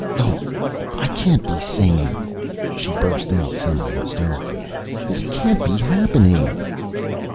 "Oh, I can't be sane!" she burst out semihysterically. "This can't be happening!"